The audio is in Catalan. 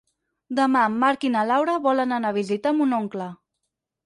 Demà en Marc i na Laura volen anar a visitar mon oncle.